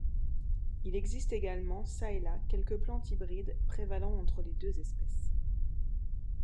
Il existe également çà et là quelques plantes hybrides prévalant entre les deux espèces.